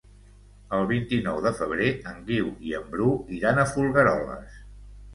El vint-i-nou de febrer en Guiu i en Bru iran a Folgueroles.